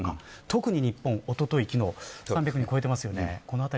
特に日本、昨日、おとといと３００人を超えています。